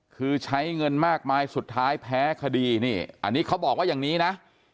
คือใช้เงินมากมายสุดท้ายแพ้คดีนี่อันนี้เขาบอกว่าอย่างนี้นะ